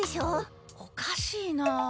おかしいな。